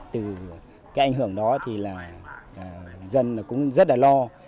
từ cái ảnh hưởng đó thì là dân cũng rất là lo